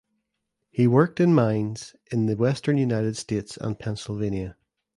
He worked in mines in the western United States and Pennsylvania.